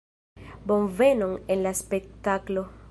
Bonvenon en la spektaklo!